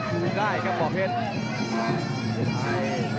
ด้วยหนูกายครับบ่อเพชร